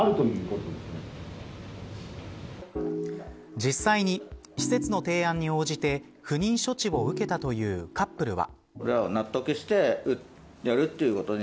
実際に施設の提案に応じて不妊処置を受けたというカップルは。